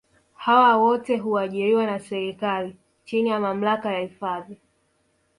hawa wote huajiriwa na serikali chini ya mamlaka ya hifadhi